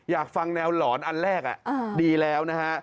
อยากฟังแนวหลอนอันแรกดีแล้วนะฮะ